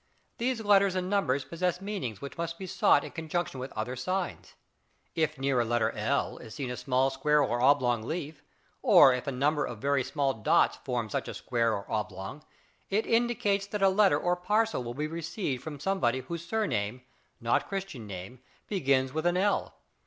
These letters and numbers possess meanings which must be sought in conjunction with other signs. If near a letter L is seen a small square or oblong leaf, or if a number of very small dots form such a square or oblong, it indicates that a letter or parcel will be received from somebody whose surname (not Christian name) begins with an L.